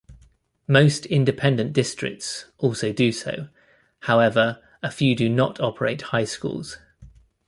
Most independent districts also do so; however, a few do not operate high schools.